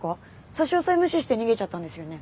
差し押さえを無視して逃げちゃったんですよね？